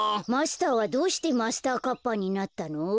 マスターはどうしてマスターカッパーになったの？